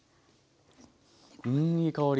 うんいい香り。